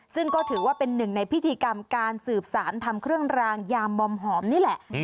ซึ่งก็ถือว่าเป็นหนึ่งในพิธีกรรมการสืบสารทำเครื่องรางยามบอมหอมนี่แหละ